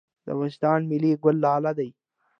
د افغانستان ملي ګل لاله دی